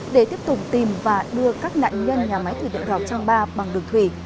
để tiếp tục tìm và đưa các nạn nhân nhà máy thủy điện rào trang ba bằng đường thủy